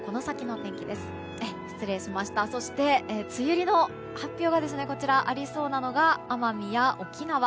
そして、梅雨入りの発表がありそうなのが奄美や沖縄。